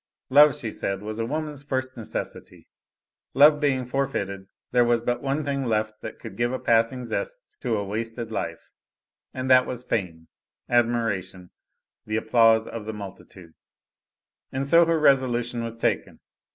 Love, she said, was a woman's first necessity: love being forfeited; there was but one thing left that could give a passing zest to a wasted life, and that was fame, admiration, the applause of the multitude. And so her resolution was taken.